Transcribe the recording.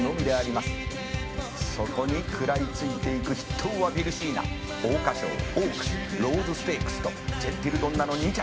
「そこに食らい付いていく筆頭はヴィルシーナ」「桜花賞オークスローズステークスとジェンティルドンナの２着」